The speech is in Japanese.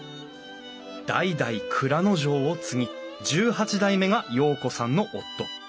代々内蔵丞を継ぎ１８代目が陽子さんの夫。